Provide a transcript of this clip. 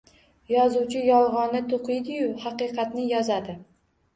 Yozuvchi yolg’onni to’qiydi-yu, haqiqatni yozadi.